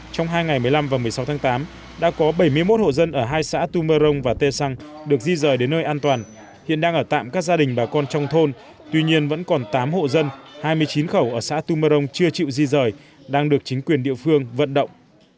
trong hai ngày một mươi năm và một mươi sáu tháng tám đã có bảy mươi một hộ dân ở hai xã tu mơ rông và tê xăng được di rời đến nơi an toàn hiện đang ở tạm các gia đình bà con trong thôn tuy nhiên vẫn còn tám hộ dân hai mươi chín khẩu ở xã tum mơ rông chưa chịu di rời đang được chính quyền địa phương vận động